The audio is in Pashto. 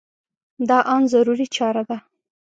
دا ان ضروري چاره ده.